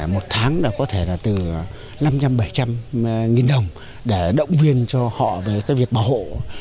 một tháng là có thể là từ năm trăm linh bảy trăm linh nghìn đồng để động viên cho họ về cái việc bảo hộ